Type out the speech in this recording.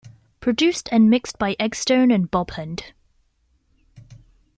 Produced and mixed by Eggstone and bob hund.